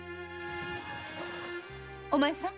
お前さん